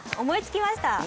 思いつきました！